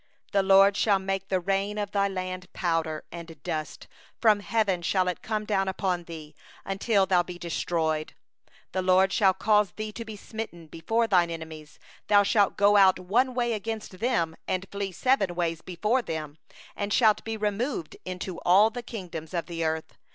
24The LORD will make the rain of thy land powder and dust; from heaven shall it come down upon thee, until thou be destroyed. 25The LORD will cause thee to be smitten before thine enemies; thou shalt go out one way against them, and shalt flee seven ways before them; and thou shalt be a horror unto all the kingdoms of the earth.